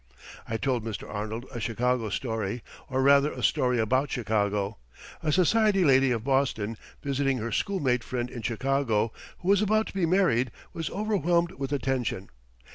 '" I told Mr. Arnold a Chicago story, or rather a story about Chicago. A society lady of Boston visiting her schoolmate friend in Chicago, who was about to be married, was overwhelmed with attention.